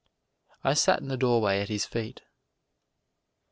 I sat in the doorway at his feet.